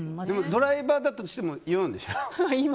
ドライバーだとしても言うんでしょ？